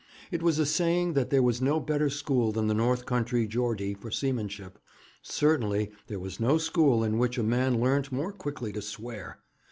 It was a saying that there was no better school than the North Country Geordie for seamanship. Certainly there was no school in which a man learnt more quickly to swear.